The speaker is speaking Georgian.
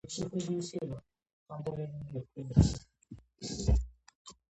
ზოგი სახეობა საძოვრის მცენარეა.